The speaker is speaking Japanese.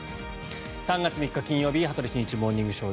３月３日、金曜日「羽鳥慎一モーニングショー」。